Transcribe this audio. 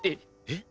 えっ？